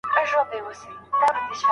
ډېر لوړ ږغ ولي پاڼه ړنګه کړه؟